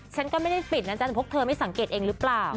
ฉันก็ไม่ได้ปิดนะจ๊ะพวกเธอไม่สังเกตเองหรือเปล่า